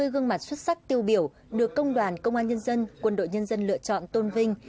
quân đội nhân dân lựa chọn tôn vinh